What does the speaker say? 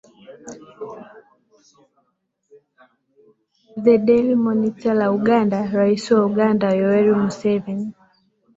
the daily monitor la uganda rais wa uganda yoweri museveni